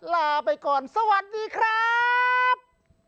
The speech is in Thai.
ลาไปก่อนสวัสดีครับ